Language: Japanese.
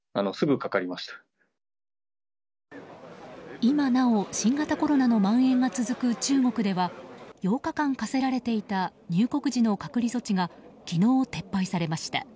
今なお新型コロナのまん延が続く中国では８日間課せられていた入国時の隔離措置が昨日、撤廃されました。